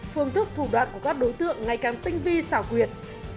phương thức thủ đoạn của các đối tượng ngày càng tinh vi xảo quyệt